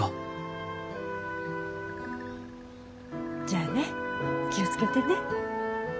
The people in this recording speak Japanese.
じゃあね気を付けてね。